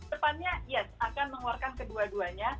depannya yes akan mengeluarkan kedua duanya